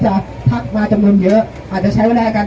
สวัสดีครับทุกคนวันนี้เกิดขึ้นทุกวันนี้นะครับ